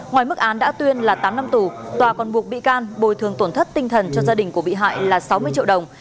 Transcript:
ngoài mức án đã tuyên là tám năm tù tòa còn buộc bị can bồi thường tổn thất tinh thần cho gia đình của bị hại là sáu mươi triệu đồng